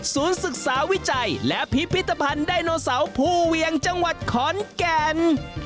ศึกษาวิจัยและพิพิธภัณฑ์ไดโนเสาร์ภูเวียงจังหวัดขอนแก่น